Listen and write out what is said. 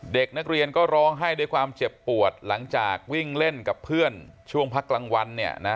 เด็กนักเรียนก็ร้องไห้ด้วยความเจ็บปวดหลังจากวิ่งเล่นกับเพื่อนช่วงพักกลางวันเนี่ยนะ